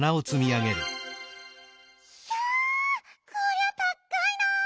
ひゃこりゃたっかいな。